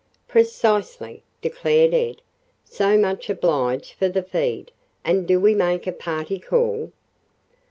"Precisely," declared Ed. "So much obliged for the feed; and do we make a party call?"